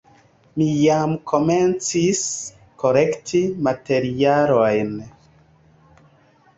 Mi jam komencis kolekti materialojn.